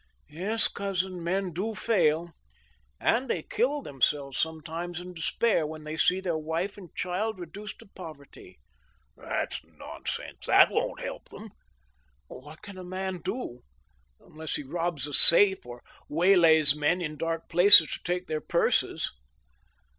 " Yes, cousin, men do fail, and they kill themselves sometimes in jdespair, when they see their wife and child reduced to poverty." " That's nonsense. That won't help them." " What can a man do— unless he robs a safe, or waylays men in dark places to take their purses